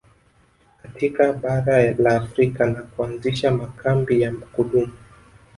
Katika bara la Afrika na kuanzisha makambi ya kudumu